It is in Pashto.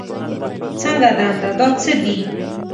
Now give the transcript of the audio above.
څنګه دنده، دا څه دي؟